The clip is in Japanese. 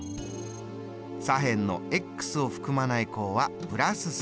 左辺のを含まない項は＋３。